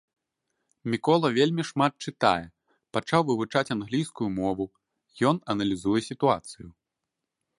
Мікола вельмі шмат чытае, пачаў вывучаць англійскую мову, ён аналізуе сітуацыю.